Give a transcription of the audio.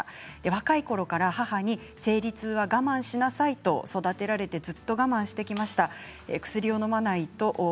若いころから母に生理痛は我慢しなさいと育てられてずっと我慢してきました。